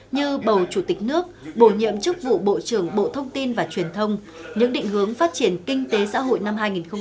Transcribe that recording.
như bầu chủ tịch nước bổ nhiệm chức vụ bộ trưởng bộ thông tin và truyền thông những định hướng phát triển kinh tế xã hội năm hai nghìn hai mươi